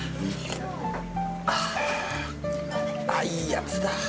あいいやつだ。